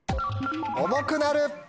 重くなる！